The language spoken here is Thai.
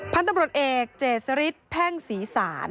พันธุ์ตำรวจเอกเจศฤทธิ์แพร่งศรีศาน